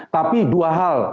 tapi dua hal